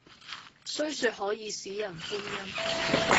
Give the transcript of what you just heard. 雖說可以使人歡欣，